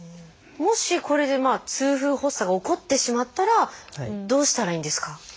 もしこれで痛風発作が起こってしまったらどうしたらいいんですか？